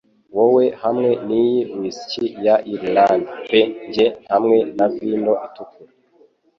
Wowe hamwe niyi whisky ya Irlande pe Njye hamwe na vino itukura